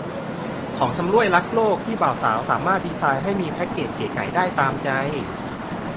ของชำร่วยรักษ์โลกที่บ่าวสาวสามารถดีไซน์ให้มีแพ็กเกจเก๋ไก๋ได้ตามใจ